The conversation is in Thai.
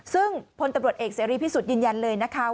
ซึ่งพลตำรวจเอกเสรีพิสุทธิ์ยืนยันเลยนะคะ